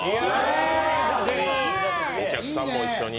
お客さんも一緒に。